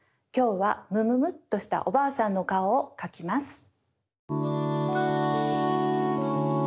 きょうはむむむっとしたおばあさんのかおをかきます。